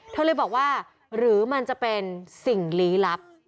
เธอเลยบอกว่าหรือมันจะเป็นสิ่งลี้ลับ